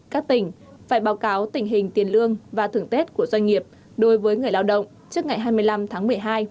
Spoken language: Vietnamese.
các tỉnh phải báo cáo tình hình tiền lương và thưởng tết của doanh nghiệp đối với người lao động trước ngày hai mươi năm tháng một mươi hai